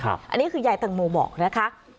อันนี้คือยายตังโมบอกนะคะ